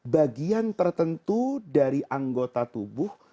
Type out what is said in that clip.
bagian tertentu dari anggota tubuh